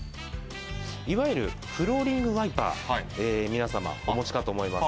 いわゆるフローリングワイパー、皆様お持ちかと思います。